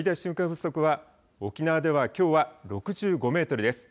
風速は沖縄ではきょうは６５メートルです。